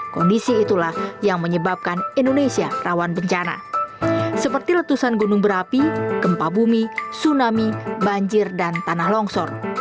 kondisi itulah yang menyebabkan indonesia rawan bencana seperti letusan gunung berapi gempa bumi tsunami banjir dan tanah longsor